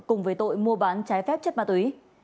cùng với tội mua bán trái phép chất ma túy